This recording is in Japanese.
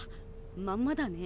まんまだね。